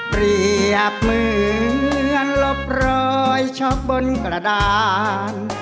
เปรียบเหมือนลบรอยช็อกบนกระดาน